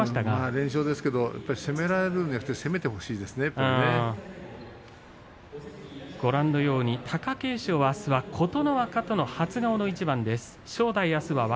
連勝ですけれども攻められるのではなく攻めて貴景勝はあすは琴ノ若との初顔の一番です。